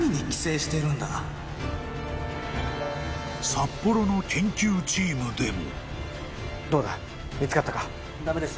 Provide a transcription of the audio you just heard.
［札幌の研究チームでも］